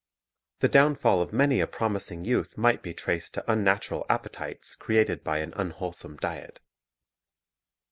The downfall of many a promising youth might be traced to unnatural appetites created by an unwholesome diet.